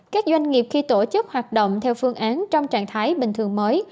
các doanh nghiệp khi tổ chức hoạt động theo phương án trong trạng thái bình thường mới